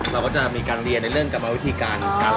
เราก็จะมีการเรียนในเรื่องกรรมวิธีการ